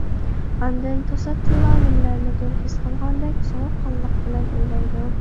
ئاندىن، توساتتىنلا نېمىلەرنىدۇر ھېس قىلغاندەك سوغۇققانلىق بىلەن ئويلايدۇ.